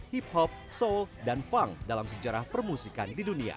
hip hop soul dan funk dalam sejarah permusikan di dunia